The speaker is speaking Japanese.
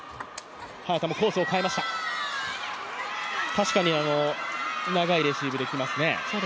確かに長いレシーブできますね。